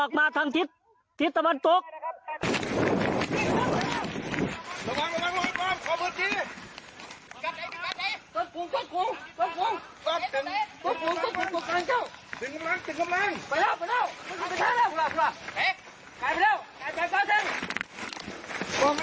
จัดกรุงจัดกรุงจัดกรุงจัดกรุง